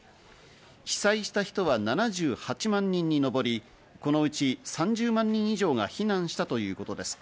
被災した人は７８万人にのぼり、このうち３０万人以上が避難したということです。